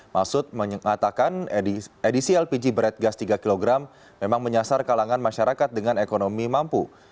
maksud mengatakan edisi lpg bread gas tiga kg memang menyasar kalangan masyarakat dengan ekonomi mampu